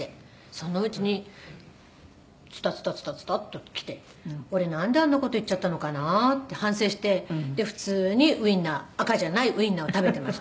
「そのうちにツタツタツタツタっと来て“俺なんであんな事言っちゃったのかな？”って反省して普通にウィンナー赤じゃないウィンナーを食べていました」